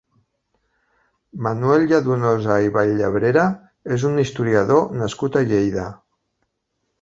Manuel Lladonosa i Vall-llebrera és un historiador nascut a Lleida.